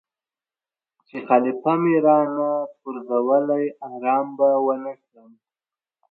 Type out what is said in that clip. چې خلیفه مې را نه پرزولی آرام به ونه کړم.